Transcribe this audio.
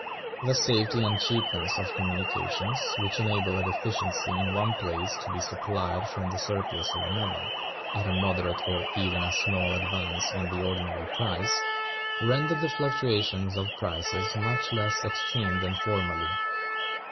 The safety and cheapness of communications, which enable a deficiency in one place to be supplied from the surplus of another, at a moderate or even a small advance on the ordinary price, render the fluctuations of prices much less extreme than formerly.